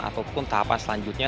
ataupun tahapan selanjutnya